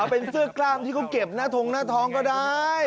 เป็นเสื้อกล้ามที่เขาเก็บหน้าทงหน้าท้องก็ได้